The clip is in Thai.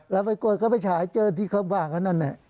แล้วไปกวดก็ไปฉายเจอที่เครื่องบ้านข้างนั้น